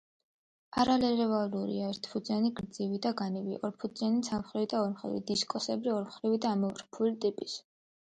არალევალუაურია, ერთფუძიანი გრძივი და განივი, ორფუძიანი ცალმრივი და ორმხრივი, დისკოსებრი ორმხრივი და ამორფული ტიპის.